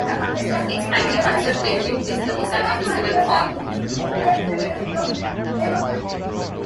Its primary concert venue is the Osaka Festival Hall.